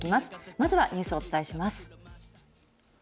まずはニュースをお伝えします。